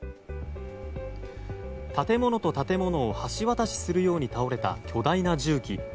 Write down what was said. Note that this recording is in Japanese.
建物と建物を橋渡しするように倒れた巨大な重機。